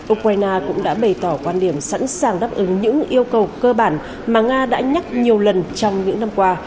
ukraine cũng đã bày tỏ quan điểm sẵn sàng đáp ứng những yêu cầu cơ bản mà nga đã nhắc nhiều lần trong những năm qua